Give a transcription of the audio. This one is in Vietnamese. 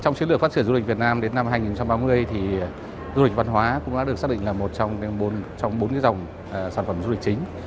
trong chiến lược phát triển du lịch việt nam đến năm hai nghìn ba mươi thì du lịch văn hóa cũng đã được xác định là một trong bốn dòng sản phẩm du lịch chính